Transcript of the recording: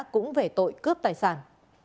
cũng về tội cướp tài sản